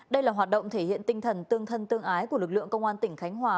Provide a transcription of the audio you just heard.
đây là hoạt động thể hiện tinh thần tương thân tương ái của lực lượng công an tỉnh khánh hòa